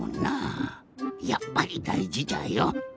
やっぱりだいじじゃよ。